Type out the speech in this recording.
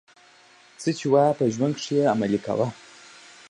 څه چي وايې په ژوند کښي ئې عملي کوه.